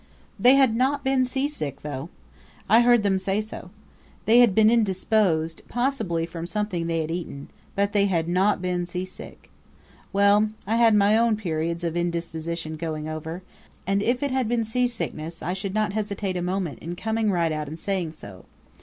They had not been seasick, though. I heard them say so. They had been indisposed, possibly from something they had eaten; but they had not been seasick. Well, I had my own periods of indisposition going over; and if it had been seasickness I should not hesitate a moment about coming right out and saying so.